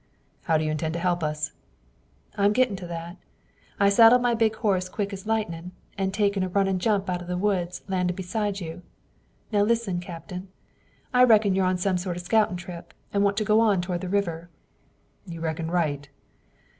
"How do you intend to help us?" "I'm gettin' to that. I saddled my big horse quick as lightnin', and takin' a runnin' jump out of the woods, landed beside you. Now, listen, Captain; I reckon you're on some sort of scoutin' trip, and want to go on toward the river." "You reckon right."